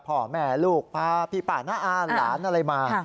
พ่อแม่ลูกพาพี่ป้าน้าอาหลานอะไรมา